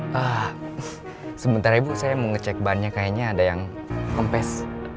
pak sebentar ibu saya mau ngecek bahannya kayaknya ada yang gempes